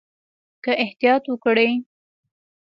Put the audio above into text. که احتیاط وکړئ